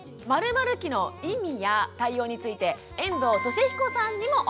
「○○期」の意味や対応について遠藤利彦さんにもお話を伺います。